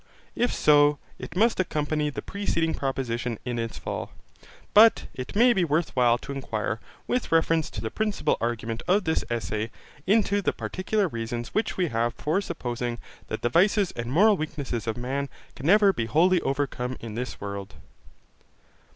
If so, it must accompany the preceding proposition in its fall. But it may be worth while to inquire, with reference to the principal argument of this essay, into the particular reasons which we have for supposing that the vices and moral weakness of man can never be wholly overcome in this world.